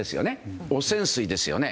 汚染水ですよね。